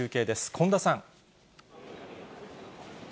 今田さん。